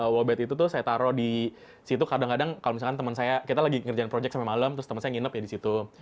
walbet itu tuh saya taruh di situ kadang kadang kalau misalkan temen saya kita lagi ngerjain proyek sampai malam terus temen saya nginep ya di situ